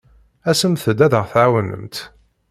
Asemt-d ad aɣ-tɛawnemt.